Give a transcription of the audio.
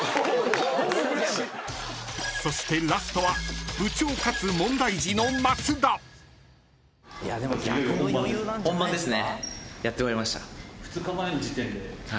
［そしてラストは部長かつ問題児の松田］やって参りました。